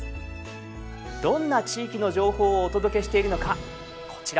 どんな地域の情報をお届けしているのかこちらをご覧下さい。